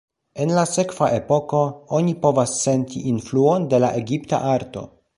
En la sekva epoko, oni povas senti influon de la egipta arto.